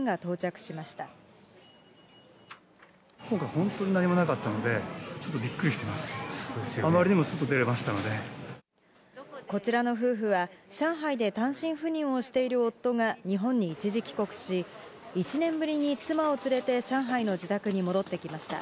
あまりにも、すっと出れましたのこちらの夫婦は、上海で単身赴任をしている夫が日本に一時帰国し、１年ぶりに妻を連れて上海の自宅に戻ってきました。